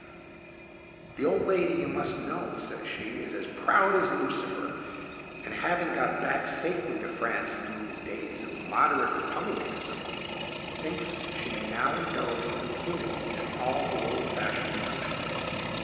"'The old lady, you must know,' says she, 'is as proud as Lucifer; and having got back safely to France in these days of moderate republicanism, thinks she may now indulge with impunity in all her old fashioned notions.